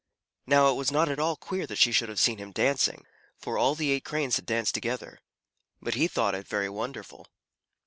Now it was not at all queer that she should have seen him dancing, for all the eight Cranes had danced together, but he thought it very wonderful.